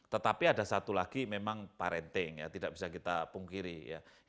tetapi ada satu lagi memang parenting ya tidak bisa kita pungkiri ya